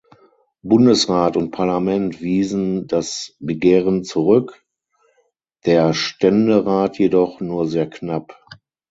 Bundesrat und Parlament wiesen das Begehren zurück (der Ständerat jedoch nur sehr knapp).